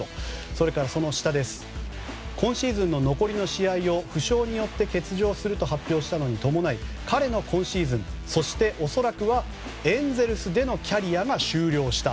それから、今シーズンの残りの試合を負傷によって欠場すると発表したのに伴い彼の今シーズン、そして恐らくはエンゼルスでのキャリアが終了した。